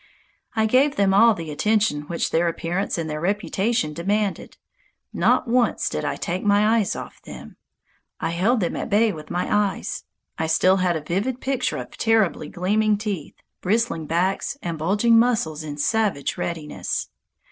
I gave them all the attention which their appearance and their reputation demanded. Not once did I take my eyes off them. I held them at bay with my eyes. I still have a vivid picture of terribly gleaming teeth, bristling backs, and bulging muscles in savage readiness.